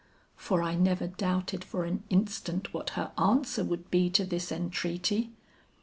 For I never doubted for an instant what her answer would be to this entreaty.